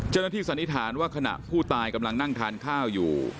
สันนิษฐานว่าขณะผู้ตายกำลังนั่งทานข้าวอยู่